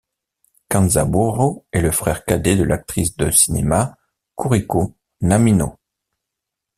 Kanzaburō est le frère cadet de l'actrice de cinéma Kuriko Namino.